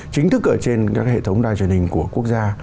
chính thức ở trên các hệ thống đài truyền hình của quốc gia